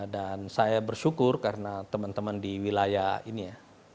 dan saya bersyukur karena teman teman di wilayah ini ya